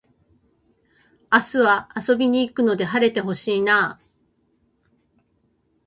明日は遊びに行くので晴れて欲しいなあ